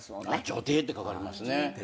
女帝って書かれますね。